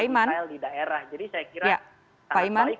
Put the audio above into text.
di daerah jadi saya kira